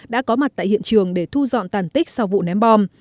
đã có mặt tại hiện trường để thu dọn tàn tích sau vụ ném bom